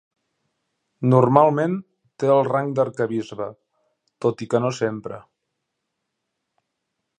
Normalment té el rang d'arquebisbe, tot i que no sempre.